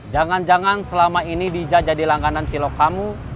jangan jangan selama ini dija jadi langganan cilok kamu